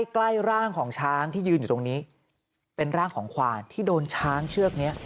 ใกล้ร่างของช้างที่ยืนอยู่ตรงนี้เป็นร่างของขวานที่โดนช้างเชือกนี้